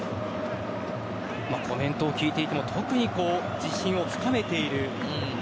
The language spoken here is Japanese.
コメントを聞いていても特に自信を深めている。